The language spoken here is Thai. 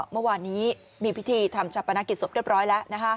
เมื่อวานนี้มีพิธีทำชาปนกิจศพเรียบร้อยแล้ว